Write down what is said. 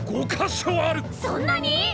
そんなに！？